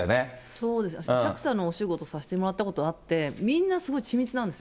そうですね、ＪＡＸＡのお仕事させてもらったことあって、みんなすごい緻密なんですよ。